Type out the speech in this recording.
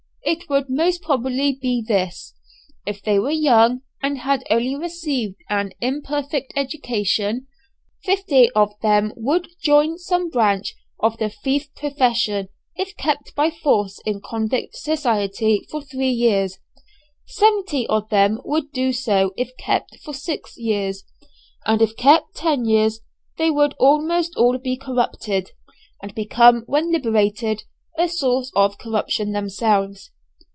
It would most probably be this: if they were young, and had only received an imperfect education, fifty of them would join some branch of the thief profession if kept by force in convict society for three years; seventy of them would do so if kept for six years; and if kept ten years, they would almost all be corrupted, and become when liberated a source of corruption themselves.